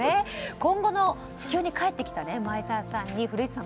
今後、地球に帰ってきた前澤さんに古市さん